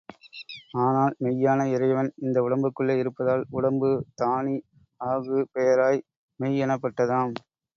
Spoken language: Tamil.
ஆனால், மெய்யான இறைவன் இந்த உடம்புக்குள்ளே இருப்பதால், உடம்பு தானி ஆகு பெயராய் மெய் எனப்பட்டதாம்.